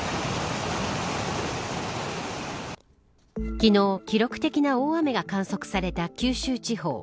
昨日、記録的な大雨が観測された九州地方。